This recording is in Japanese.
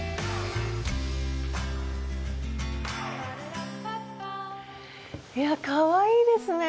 いやかわいいですね。